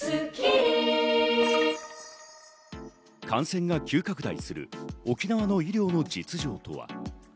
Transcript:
感染が急拡大する沖縄の医療の実情とは。